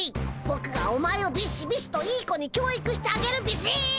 ぼくがお前をビシビシといい子に教育してあげるビシッ！